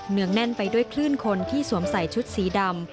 งแน่นไปด้วยคลื่นคนที่สวมใส่ชุดสีดำ